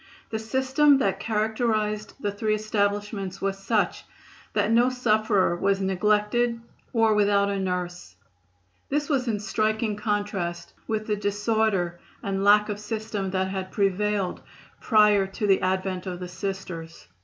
The system that characterized the three establishments was such that no sufferer was neglected or without a nurse. This was in striking contrast with the disorder and lack of system that had prevailed prior to the advent of the Sisters.